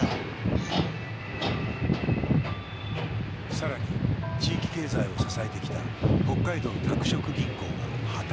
更に地域経済を支えてきた北海道拓殖銀行が破綻。